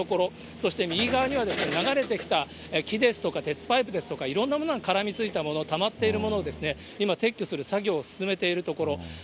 そして右側には流れてきた木ですとか、鉄パイプですとか、いろんなものが絡みついたもの、たまっているものを今、撤去する作業を進めているところ。